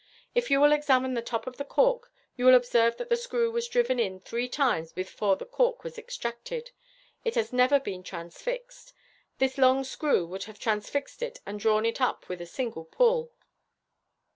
If you will examine the top of the cork, you will observe that the screw was driven in three times before the cork was extracted. It has never been transfixed. This long screw would have transfixed it and drawn it up with a single pull.